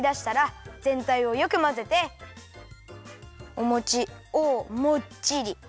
おもちをもっちり。